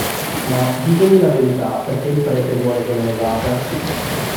Ma ditemi la verità, perché il prete vuole che me ne vada?